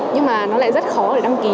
nhưng mà nó lại rất khó để đăng ký